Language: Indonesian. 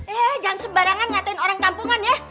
eh jangan sembarangan ngatain orang kampungan ya